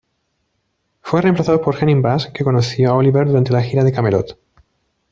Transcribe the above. Fue reemplazado por Henning Basse que conoció a Oliver durante la gira de Kamelot.